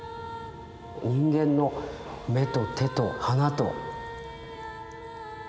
人間の目と手と鼻と。